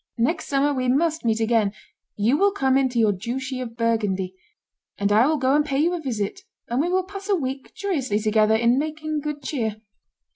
Next summer we must meet again; you will come into your duchy of Burgundy, and I will go and pay you a visit, and we will pass a week joyously together in making good cheer."